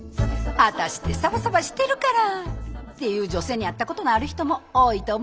「ワタシってサバサバしてるから」って言う女性に会ったことのある人も多いと思います。